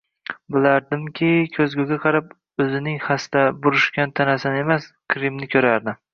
Bilardimki, ko’zguga qarab o’zining xasta, burishgan tanasini emas, Qrimni ko’rardi.